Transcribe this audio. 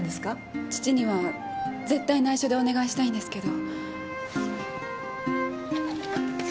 父には絶対ないしょでお願いしたいんですけど。